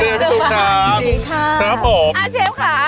สวัสดีครับพี่จุ๊บครับ